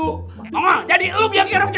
monggol jadi lo biar kayak roket nih